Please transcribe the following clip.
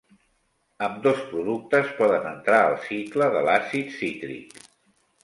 Ambdós productes poden entrar al cicle de l'àcid cítric.